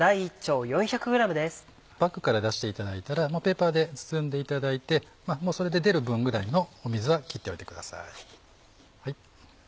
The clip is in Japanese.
パックから出していただいたらペーパーで包んでいただいてそれで出る分ぐらいの水は切っておいてください。